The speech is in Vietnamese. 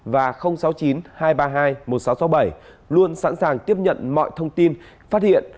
và sáu mươi chín hai trăm ba mươi hai một nghìn sáu trăm sáu mươi bảy luôn sẵn sàng tiếp nhận mọi thông tin phát hiện